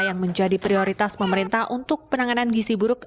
yang menjadi prioritas pemerintah untuk penanganan gisi buruk